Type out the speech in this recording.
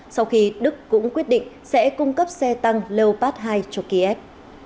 sau khi đức cũng quyết định sẽ cung cấp xe tăng lpad hai cho kiev